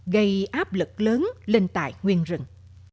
gây áp lực lớn lên tại nguyên rừng